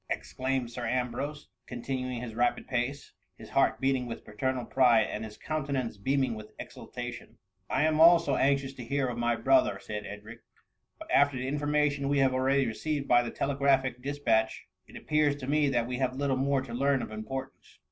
ex claimed Sir Ambrose, continuing his rapid pace — his heart beating with paternal pride, and his countenance beaming with exultation. 66 TtfS MUMMY. '^ I am also anxious to hear of my brother/' said Edric, ^^ but after the information we have already received by the telegraphic dispatch, it appears to me that we have little more to learn of importance.